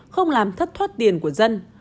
không làm thất thoát tiền của dân